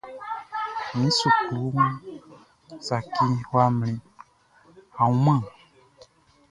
Mi suklu saci ya mlinnin, a wunman?